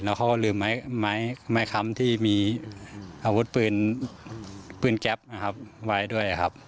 เขาก็ลืมไม้ค้ำที่มีอาวุธปืนปืนแก๊ปนะครับไว้ด้วยครับ